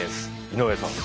井上さん